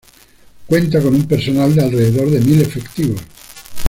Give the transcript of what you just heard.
Cuenta con un personal de alrededor de mil efectivos.